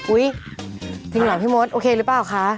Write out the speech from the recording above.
อุ๊ยทิ้งหล่อพี่มดโอเครึเปล่าค่ะ